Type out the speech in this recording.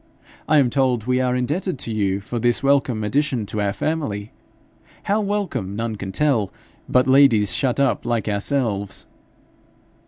'I am told we are indebted to you for this welcome addition to our family how welcome none can tell but ladies shut up like ourselves.'